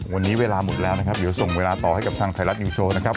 วันนี้เวลาหมดแล้วนะครับเดี๋ยวส่งเวลาต่อให้กับทางไทยรัฐนิวโชว์นะครับ